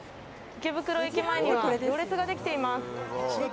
池袋駅前には行列ができています。